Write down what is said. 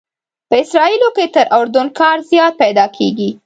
په اسرائیلو کې تر اردن کار زیات پیدا کېږي.